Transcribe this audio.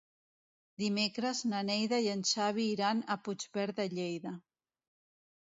Dimecres na Neida i en Xavi iran a Puigverd de Lleida.